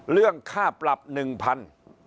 เรื่องค่าปรับหนึ่งพัน